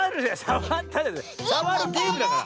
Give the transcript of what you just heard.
さわるゲームだから。